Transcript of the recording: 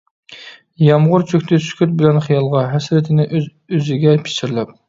يامغۇر چۆكتى سۈكۈت بىلەن خىيالغا، ھەسرىتىنى ئۆز-ئۆزىگە پىچىرلاپ.